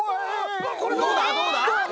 これどうだ！